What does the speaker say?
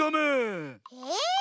え？